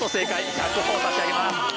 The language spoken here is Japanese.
１００ほぉ差し上げます。